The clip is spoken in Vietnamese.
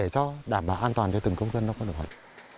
cho đảm bảo an toàn cho từng công dân nó có được